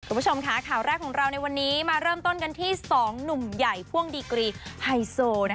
คุณผู้ชมค่ะข่าวแรกของเราในวันนี้มาเริ่มต้นกันที่๒หนุ่มใหญ่พ่วงดีกรีไฮโซ